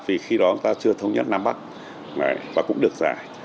vì khi đó chúng ta chưa thống nhất nam bắc và cũng được giải